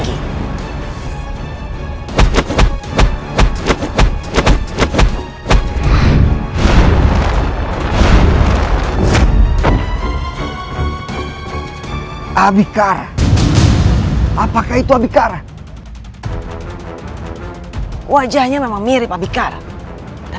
mereka bisa menempati tempat disana